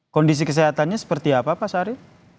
kondisi kesehatannya seperti apa pak sari